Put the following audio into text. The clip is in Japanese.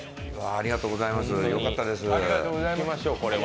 ありがとうございます、よかったです。